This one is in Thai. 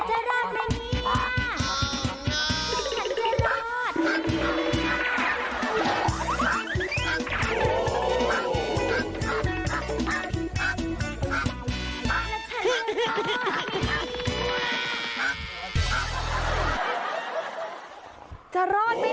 จะรอดไหมเนี่ยจะรอดไหมเนี่ย